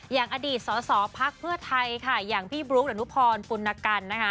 อย่างอดีตสอพักเพื่อไทยอย่างพี่บลูกหรือนุพรปุณกัน